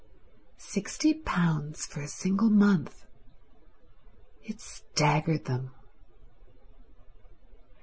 Sixty pounds for a single month. It staggered them.